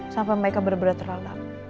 sampai mereka benar benar terlambat